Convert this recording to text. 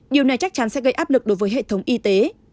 điều này chắc chắn sẽ gây áp lực đối với hệ thống y tế